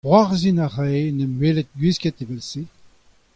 C'hoarzhin a rae oc'h en em welet gwisket evel-se.